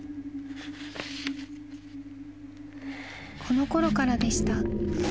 ［このころからでした］